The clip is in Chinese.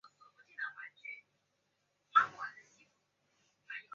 他的父亲是乒乓球名将吕林。